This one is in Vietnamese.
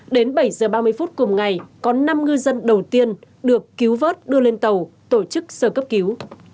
đến bảy h ba mươi phút cùng ngày có năm ngư dân đầu tiên được cứu vớt đưa lên tàu tổ chức sơ cấp cứu